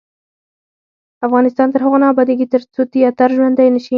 افغانستان تر هغو نه ابادیږي، ترڅو تیاتر ژوندی نشي.